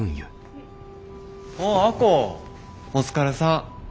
亜子お疲れさん。